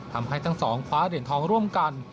ทำให้ทั้งสองคว้าเหรียญทองร่วมกัน